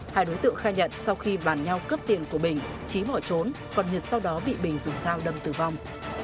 hai đối tượng khai nhận sau khi bàn nhau cướp tiền của bình trí bỏ trốn còn nhật sau đó bị bình dùng dao đâm tử vong